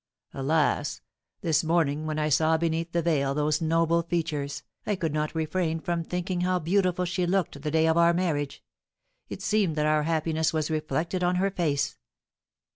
Alas! This morning, when I saw beneath the veil those noble features, I could not refrain from thinking how beautiful she looked the day of our marriage; it seemed that our happiness was reflected on her face.